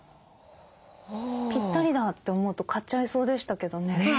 ぴったりだって思うと買っちゃいそうでしたけどね。